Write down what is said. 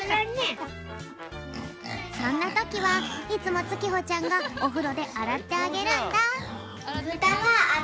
そんなときはいつもつきほちゃんがおふろであらってあげるんだ。